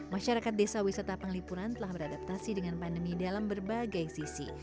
masyarakat desa wisata penglipuran telah beradaptasi dengan pandemi dalam berbagai sisi